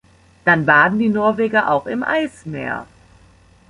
Dann baden die Norweger auch im Eismeer.